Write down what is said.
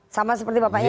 sama seperti bapaknya gitu